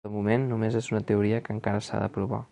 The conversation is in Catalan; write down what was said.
Però de moment només és una teoria que encara s’ha de provar.